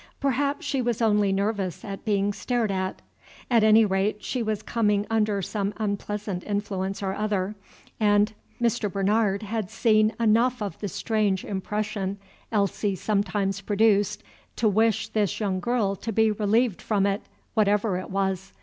Perhaps she was only nervous at being stared at. At any rate, she was coming under some unpleasant influence or other, and Mr. Bernard had seen enough of the strange impression Elsie sometimes produced to wish this young girl to be relieved from it, whatever it was.